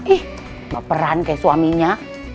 ih baperan kayak suaminya